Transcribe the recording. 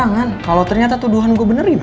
gak akan nyusahin gue ya